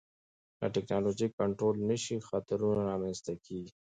که ټکنالوژي کنټرول نشي، خطرونه رامنځته کېږي.